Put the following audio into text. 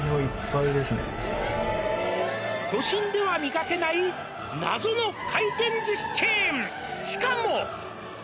「都心では見かけない謎の回転寿司チェーン」「しかも！」